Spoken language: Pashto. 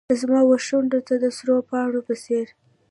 زما وشونډو ته د سرو پاڼو په څیر